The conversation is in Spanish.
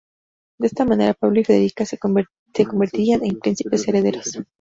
De esta manera Pablo y Federica se convertían en príncipes herederos.